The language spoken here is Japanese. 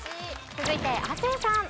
続いて亜生さん。